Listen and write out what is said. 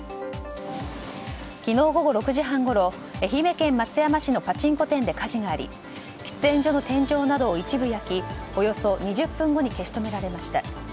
昨日午後６時半ごろ愛媛県松山市のパチンコ店で火事があり喫煙所の天井などを一部焼きおよそ２０分後に消し止められました。